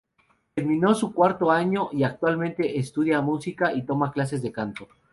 Terminó su cuarto año y actualmente estudia música y toma clases de canto.